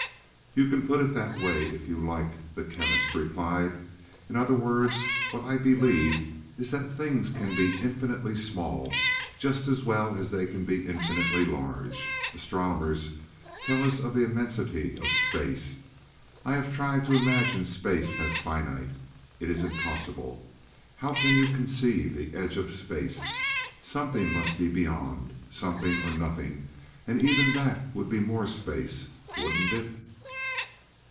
"You can put it that way if you like," the Chemist replied. "In other words, what I believe is that things can be infinitely small just as well as they can be infinitely large. Astronomers tell us of the immensity of space. I have tried to imagine space as finite. It is impossible. How can you conceive the edge of space? Something must be beyond something or nothing, and even that would be more space, wouldn't it?"